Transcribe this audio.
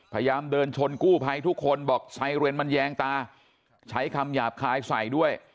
พยายามเดินชนกู้ภัยทุกคนบอกไซเรนมันแยงตาใช้คำหยาบคายใส่ด้วย